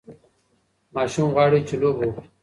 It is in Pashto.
ماشوم غواړي چې لوبه وکړي.